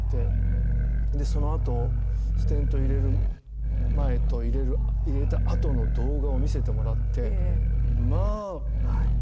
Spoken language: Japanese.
そのあとステント入れる前と入れたあとの動画を見せてもらってまあ驚がくしましたね。